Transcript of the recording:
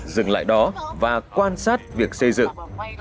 dừng lại đó và quan sát việc xây dựng